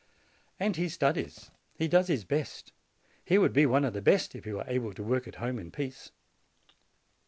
And he studies; he does his best; he would be one of the best, if he were able to work at home in peace.